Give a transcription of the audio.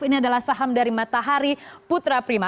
ini adalah saham dari matahari putra prima